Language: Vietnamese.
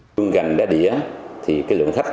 trong gành đá đĩa lượng khách